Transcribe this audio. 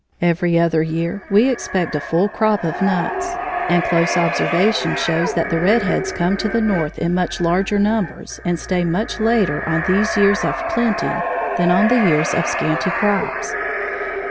Every other year we expect a full crop of nuts, and close observation shows that the red heads come to the North in much larger numbers and stay much later on these years of plenty than on the years of scanty crops.